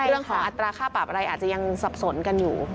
เรื่องของอัตราค่าปรับอะไรอาจจะยังสับสนกันอยู่